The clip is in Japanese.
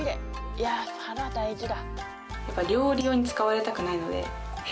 いやあ皿大事だ。